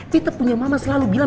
kita punya mama selalu bilang